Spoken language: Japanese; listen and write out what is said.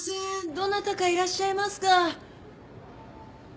どなたかいらっしゃいますか？